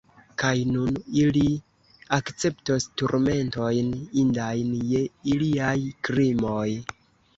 Kaj nun ili akceptos turmentojn, indajn je iliaj krimoj.